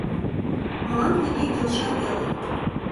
Мылам тыге келша веле.